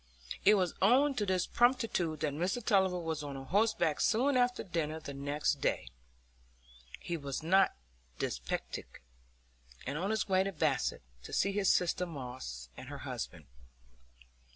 It was owing to this promptitude that Mr Tulliver was on horseback soon after dinner the next day (he was not dyspeptic) on his way to Basset to see his sister Moss and her husband.